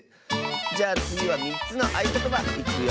じゃあつぎは３つのあいことばいくよ！